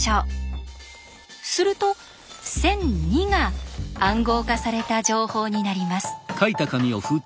すると１００２が「暗号化された情報」になります。